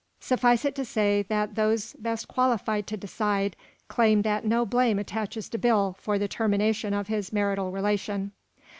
Suffice it to say that those best qualified to decide, claim that no blame attaches to Bill for the termination of his marital relation.